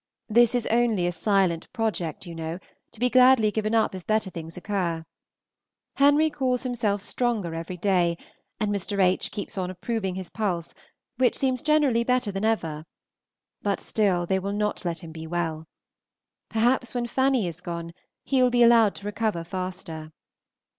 This is only a silent project, you know, to be gladly given up if better things occur. Henry calls himself stronger every day, and Mr. H. keeps on approving his pulse, which seems generally better than ever, but still they will not let him be well. Perhaps when Fanny is gone he will be allowed to recover faster.